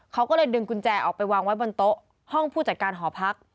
เขาก็เลยดึงกุญแจออกไปวางไว้บนโต๊ะห้องผู้จัดการหอพัก